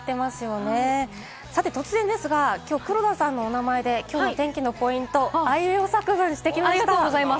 突然ですが今日、黒田さんの名前で今日の天気のポイント、あいうえお作文してきました。